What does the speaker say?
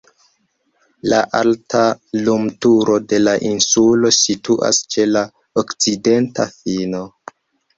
La alta lumturo de la insulo situas ĉe la okcidenta fino.